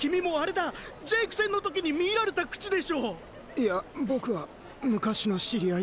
いや僕は昔の知り合いで。